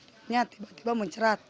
ini tiba tiba mencerat